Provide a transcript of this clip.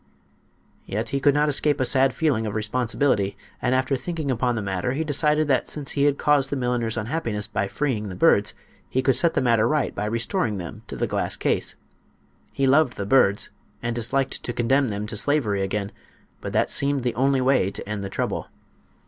Yet he could not escape a sad feeling of responsibility, and after thinking upon the matter he decided that since he had caused the milliner's unhappiness by freeing the birds, he could set the matter right by restoring them to the glass case. He loved the birds, and disliked to condemn them to slavery again; but that seemed the only way to end the trouble.